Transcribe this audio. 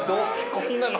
こんなの。